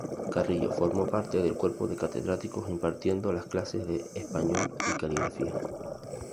Carrillo formó parte del cuerpo de catedráticos impartiendo las clases de Español y Caligrafía.